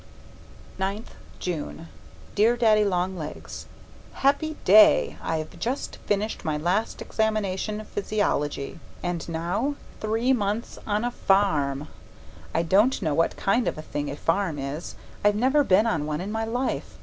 9th June Dear Daddy Long Legs, Happy day! I've just finished my last examination Physiology. And now: Three months on a farm! I don't know what kind of a thing a farm is. I've never been on one in my life.